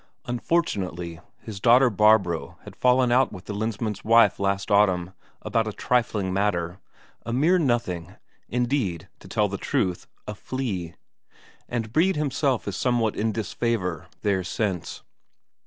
Unfortunately, his daughter Barbro had fallen out with the Lensmand's wife last autumn, about a trifling matter, a mere nothing indeed, to tell the truth, a flea; and Brede himself is somewhat in disfavour there since.